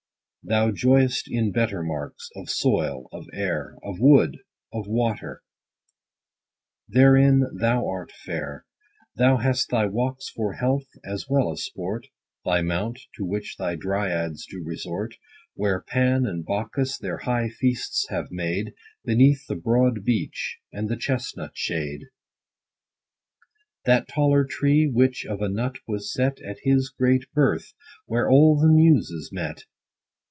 Thou joy'st in better marks, of soil, of air, Of wood, of water ; therein thou art fair. Thou hast thy walks for health, as well as sport : Thy mount, to which thy Dryads do resort, 10 Where Pan and Bacchus their high feasts have made, Beneath the broad beech, and the chestnut shade ; That taller tree, which of a nut was set, At his great birth, where all the Muses met.